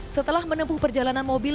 setelah menempuh perjalanan mobil